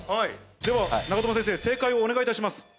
では長友先生正解をお願いいたします。